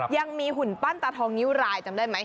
หุ่นปั้นตาทองนิ้วรายจำได้ไหม